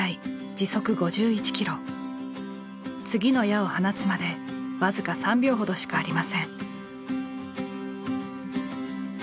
次の矢を放つまで僅か３秒ほどしかありません。